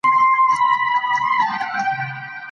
په سنن ترمذي، طبراني وغيره کي